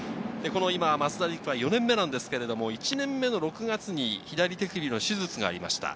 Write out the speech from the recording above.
増田陸は４年目ですが、１年目の６月に左手首の手術がありました。